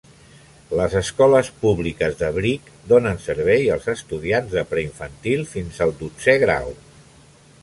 Les escoles públiques de Brick donen servei als estudiants de preinfantil fins al dotzè grau.